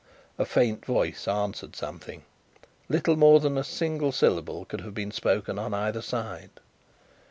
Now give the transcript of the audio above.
A faint voice answered something. Little more than a single syllable could have been spoken on either side.